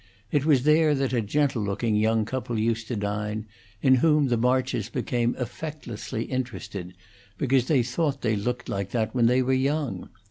It was there that a gentle looking young couple used to dine, in whom the Marches became effectlessly interested, because they thought they looked like that when they were young.